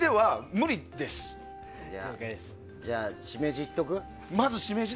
じゃあ、シメジいっとく？